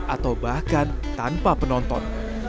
atau bahkan tanpa penonton